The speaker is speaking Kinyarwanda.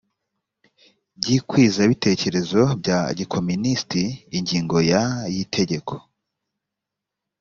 by ikwizabitekerezo bya gikominisiti ingingo ya y itegeko